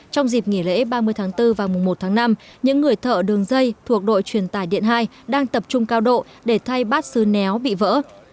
trong dịp nghỉ lễ ba mươi tháng bốn và mùa một tháng năm những người thợ đường dây thuộc đội truyền tải điện hai đang tập trung cao độ để thay bát sứ néo bị vỡ